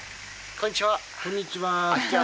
こんにちは。